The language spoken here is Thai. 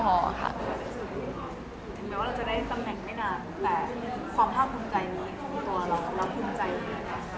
เห็นไหมว่าเราจะได้ตำแหน่งไม่นานแต่ความท่าคุ้มใจมีตัวเราแล้วคุ้มใจมีอะไร